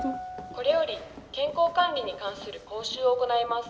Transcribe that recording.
これより健康管理に関する講習を行います。